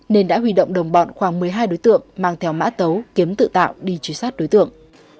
nên đã huy động đồng bọn khoảng một mươi hai đối tượng mang theo mã tấu kiếm tự tạo đi truy sát đối tượng